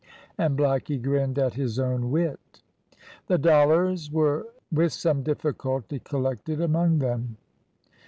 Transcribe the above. and blackie grinned at his own wit. The dollars were with some difficulty collected among them.